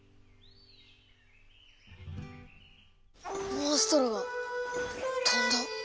モンストロが飛んだ！